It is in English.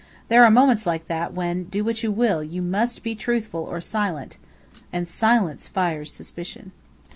There are moments like that, when, do what you will, you must be truthful or silent; and silence fires suspicion.